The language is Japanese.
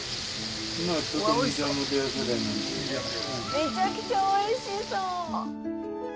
めちゃくちゃおいしそう。